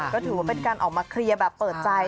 ก็ถือว่าเป็นการออกมาเคลียร์แบบเปิดใจ